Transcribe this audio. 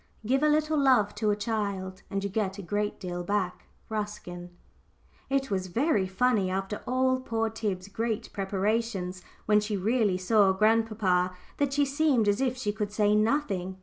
"Give a little love to a child, and you get a great deal back." RUSKIN. It was very funny, after all poor Tib's great preparations, when she really saw grandpapa that she seemed as if she could say nothing.